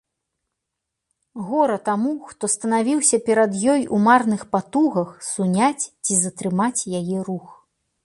Гора таму, хто станавіўся перад ёй у марных патугах суняць ці затрымаць яе рух!